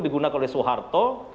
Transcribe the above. digunakan oleh soeharto